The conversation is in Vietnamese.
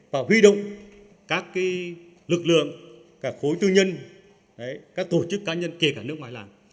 và huy động các lực lượng cả khối tư nhân các tổ chức cá nhân kể cả nước ngoài làm